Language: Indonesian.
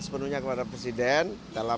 sepenuhnya kepada presiden dalam